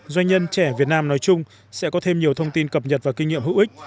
doanh nhân trẻ việt nam nói chung sẽ có thêm nhiều thông tin cập nhật và kinh nghiệm hữu ích